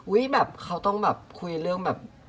แบบเขาต้องแบบคุยเรื่องแบบ